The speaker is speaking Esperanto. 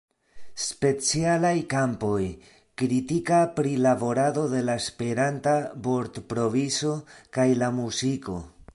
Specialaj kampoj: kritika prilaborado de la Esperanta vortprovizo kaj la muziko.